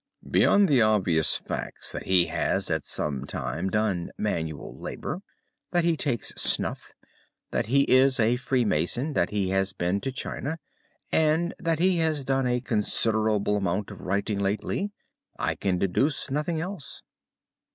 "Beyond the obvious facts that he has at some time done manual labour, that he takes snuff, that he is a Freemason, that he has been in China, and that he has done a considerable amount of writing lately, I can deduce nothing else."